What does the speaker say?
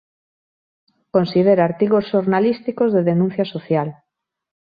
Considera artigos xornalísticos de denuncia social.